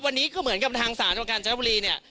วันนี้ก็เหมือนกับทางสารของการเจ้าหน้าบุรีเนี่ย